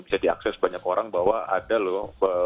bisa diakses banyak orang bahwa ada loh